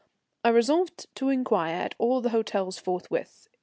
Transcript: I resolved to inquire at all the hotels forthwith.